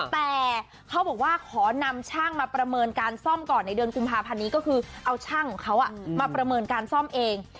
แต่เขาบอกว่าขอนำช่างมาประเมินการซ่อมก่อนในเดือนกุมภาพันธ์นี้ก็คือเอาช่างของเขามาประเมินการซ่อมเอง